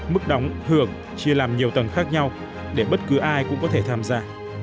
mức đóng hưởng chia làm nhiều tầng khác nhau để bất cứ ai cũng có thể tham gia